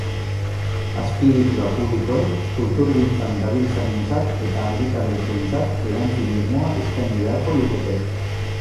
Azpiegitura publikoek kulturgintzan dabiltzanentzat eta argitaletxeentzat erantzun irmoa eskaini beharko lukete.